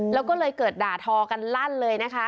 แล้วก็เลยเกิดด่าทอกันลั่นเลยนะคะ